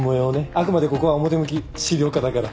あくまでここは表向き資料課だから。